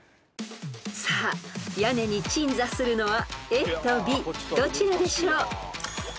［さあ屋根に鎮座するのはＡとＢどちらでしょう？］